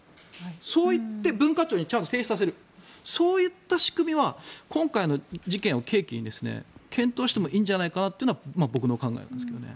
そういって文化庁に提出させるそういった仕組みは今回の事件を契機に検討してもいいんじゃないかというのが僕の考えですけどね。